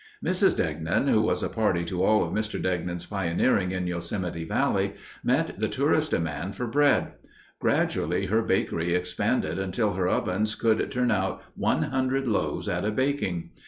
Mrs. Degnan, who was a party to all of Mr. Degnan's pioneering in Yosemite Valley, met the tourists' demand for bread. Gradually, her bakery expanded until her ovens could turn out one hundred loaves at a baking.